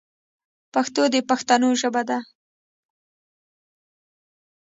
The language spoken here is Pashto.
پښتو د پښتنو ژبه دو.